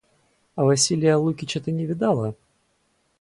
А Василия Лукича ты не видала?